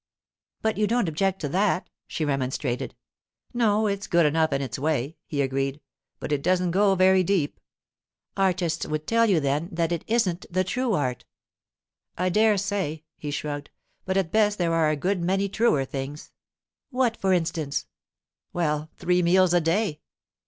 'But you don't object to that,' she remonstrated. 'No, it's good enough in its way,' he agreed; 'but it doesn't go very deep.' 'Artists would tell you then that it isn't the true art.' 'I dare say,' he shrugged; 'but at best there are a good many truer things.' 'What, for instance?' 'Well, three meals a day.